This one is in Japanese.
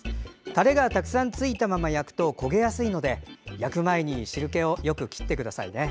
タレがたくさんついたまま焼くと焦げやすいので焼く前に汁けをよく切ってくださいね。